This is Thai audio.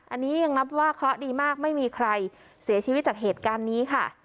อันนี้ยังนับว่าเคราะห์ดีมากไม่มีใครเสียชีวิตจากเหตุการณ์นี้ค่ะ